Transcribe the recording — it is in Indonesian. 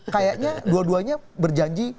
kayaknya dua duanya berjanji